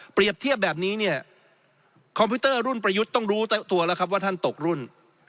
เทียบแบบนี้เนี่ยคอมพิวเตอร์รุ่นประยุทธ์ต้องรู้ตัวแล้วครับว่าท่านตกรุ่น